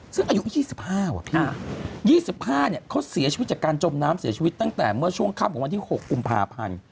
ซึ่งอายุ๒๕ว่ะพี่๒๕เขาเสียชีวิตจากการจมน้ำเสียชีวิตตั้งแต่เมื่อช่วงค่ำของวันที่๖กุมภาพันธ์